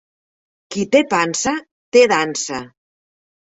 Qui té pansa, té dansa.